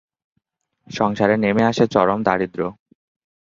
সংসারে নেমে আসে চরম দারিদ্র্য।